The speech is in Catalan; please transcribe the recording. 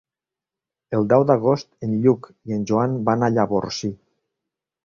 El deu d'agost en Lluc i en Joan van a Llavorsí.